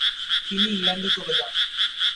তিনি ইংল্যান্ডে চলে যান।